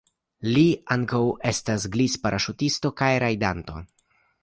Li ankaŭ estas glisparaŝutisto kaj rajdanto.